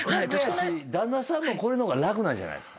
旦那さんもこれの方が楽なんじゃないですか。